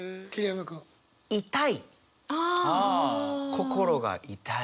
心が痛い。